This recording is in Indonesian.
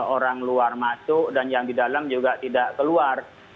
orang luar masuk dan yang di dalam juga tidak keluar